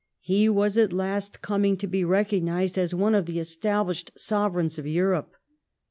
He was at last coming to be recognised as one of the established sovereigns of Europe.